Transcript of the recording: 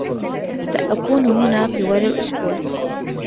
سأكون هنا طوال الأسبوع.